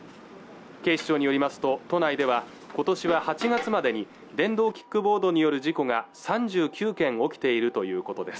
警視庁によりますと都内では今年は８月までに電動キックボードによる事故が３９件起きているということです